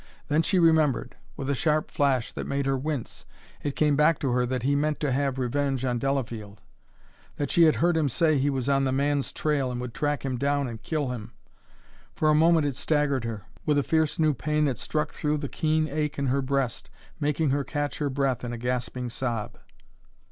Then she remembered. With a sharp flash that made her wince it came back to her that he meant to have revenge on Delafield; that she had heard him say he was on the man's trail, and would track him down and kill him! For a moment it staggered her, with a fierce new pain that struck through the keen ache in her breast, making her catch her breath in a gasping sob.